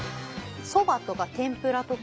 そばとか天ぷらとか。